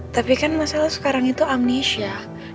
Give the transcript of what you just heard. tapi kan masalah sekarang itu amnesha